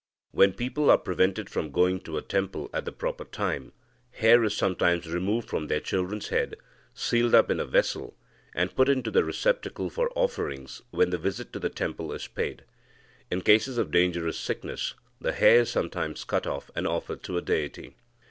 When people are prevented from going to a temple at the proper time, hair is sometimes removed from their children's head, sealed up in a vessel, and put into the receptacle for offerings when the visit to the temple is paid. In cases of dangerous sickness, the hair is sometimes cut off, and offered to a deity.